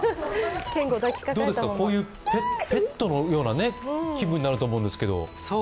どうですか、ペットのような気分になると思うんですけど？